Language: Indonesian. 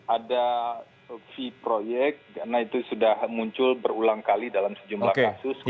ada fee proyek karena itu sudah muncul berulang kali dalam sejumlah kasus